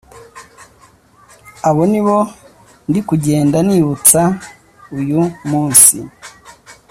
abo ni bo ndikugenda nibutsa uyu munsi”